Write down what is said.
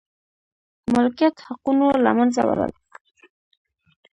مالکیت حقونو له منځه وړل و.